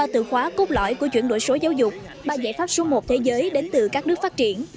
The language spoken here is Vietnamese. ba từ khóa cốt lõi của chuyển đổi số giáo dục ba giải pháp số một thế giới đến từ các nước phát triển